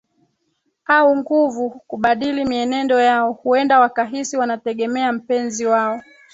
au nguvu kubadili mienendo yao Huenda wakahisi wanategemea mpenzi wao